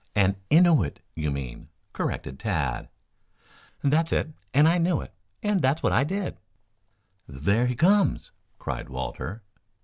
"An Innuit, you mean," corrected Tad. "That's it, an I Knew It, and that's what I did " "There he comes," cried Walter.